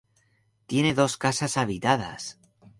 Tiene dos casas habitadas.